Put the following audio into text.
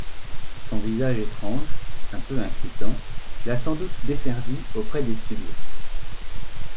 Son visage étrange, un peu inquiétant, l'a sans doute desservie auprès des studios.